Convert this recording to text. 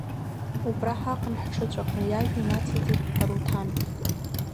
Убра ҳаҟан ҳҽыҵәахны, иажәа инациҵеит Аруҭан.